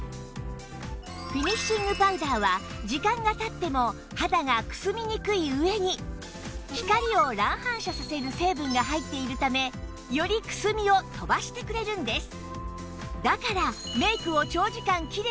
フィニッシングパウダーは時間が経っても肌がくすみにくい上に光を乱反射させる成分が入っているためよりくすみを飛ばしてくれるんです